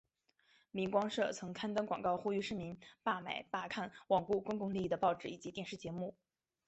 明光社曾刊登广告呼吁市民罢买罢看罔顾公众利益的报纸及电视节目。